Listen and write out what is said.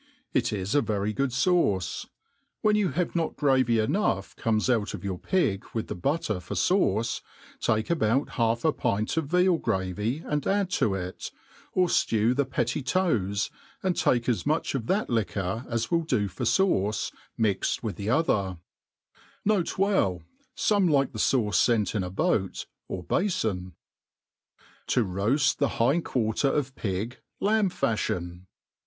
It is a very good &uce« When y*bu have not gravy enough comes out of your pig with' the butter for faute, take about half a pint of veal gravy and add to it ; or flew the petty toes*, and take as much of that liquoi^ as will do for fauce, mixed with the other, i— N* B« Some like the fauce fent in a boat, or bafon. Sri roaft the Hind quarter of Pig^ kmb fafiion.